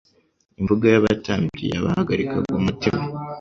Imvugo y'abatambyi yabahagarikaga umutima.